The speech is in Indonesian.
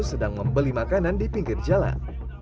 sedang membeli makanan di pinggir jalan